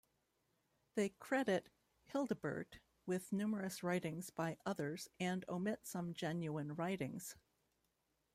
They credit Hildebert with numerous writings by others and omit some genuine writings.